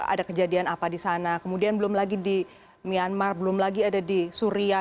ada kejadian apa di sana kemudian belum lagi di myanmar belum lagi ada di suria